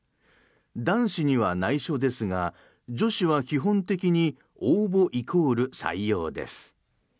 男子には内緒ですが女子は基本的に応募イコール採用です。